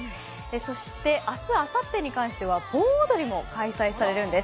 そして、明日あさってに関しては盆踊りも開催されるんです。